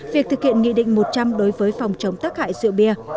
việc thực hiện nghị định một trăm linh đối với phòng chống tác hại rượu bia